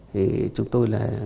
thì chúng tôi là